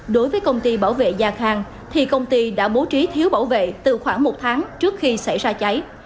đối với công ty bảo vệ gia khang thì công ty đã bố trí thiếu bảo vệ từ khoảng một tháng trước khi xảy ra cháy